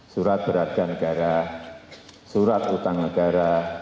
surat beratkan negara surat hutang negara